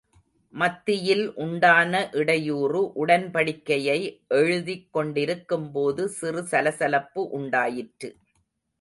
மத்தியில் உண்டான இடையூறு உடன்படிக்கையை எழுதிக் கொண்டிருக்கும் போது, சிறு சலசலப்பு உண்டாயிற்று.